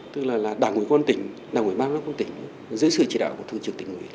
tức là là đảng ủy quân tỉnh đảng ủy ban quốc tỉnh giữ sự chỉ đạo của thường trực tỉnh ủy